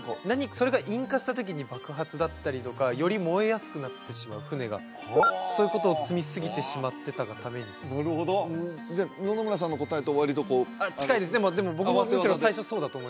それが引火した時に爆発だったりとかより燃えやすくなってしまう船がそういうことを積みすぎてしまってたがためになるほどじゃあ野々村さんの答えと割とこう近いですでも僕もむしろ最初そうだと思いました